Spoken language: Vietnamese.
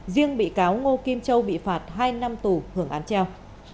riêng bị cáo ngô kim châu bị phạt hai năm tù hưởng án treo